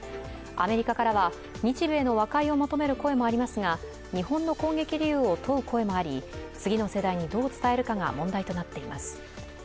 アメリカからは、日米の和解を求める声もありますが、日本の攻撃理由を問う声もあり次の世代にどう伝えるかが問題となっています。